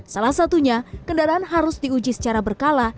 salah satunya kendaraan harus diuji secara berkala